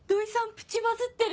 プチバズってる！